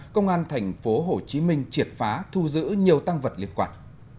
công an thành phố hồ chí minh triệt phá thu giữ nhiều tăng vật liên quan